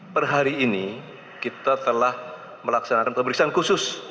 per hari ini kita telah melaksanakan pemeriksaan khusus